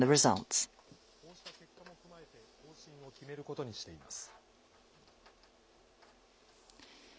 こうした結果も踏まえて方針を決めることにしています。